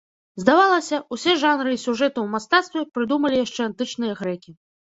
Здавалася, усе жанры і сюжэты ў мастацтве прыдумалі яшчэ антычныя грэкі.